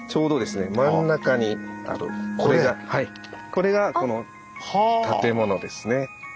これがこの建物ですね。